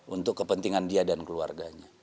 untuk kepentingan dia dan keluarganya